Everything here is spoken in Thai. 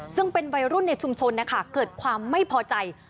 ซึ่งเป็นวัยรุ่นในชุมชนนะคะเกิดความไม่พอใจ